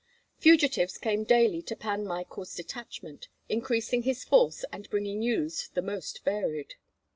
Fugitives came daily to Pan Michael's detachment, increasing his force and bringing news the most varied.